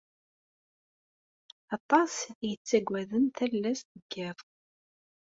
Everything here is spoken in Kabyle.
Aṭas i ittagaden tallast deg yiḍ.